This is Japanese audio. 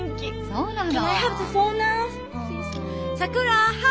そうなの。